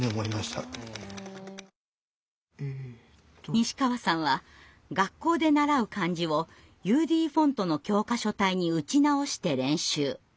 西川さんは学校で習う漢字をＵＤフォントの教科書体に打ち直して練習。